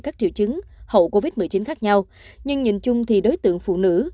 các triệu chứng hậu covid một mươi chín khác nhau nhưng nhìn chung thì đối tượng phụ nữ